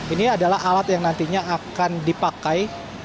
ini adalah alat yang nantinya akan dipakai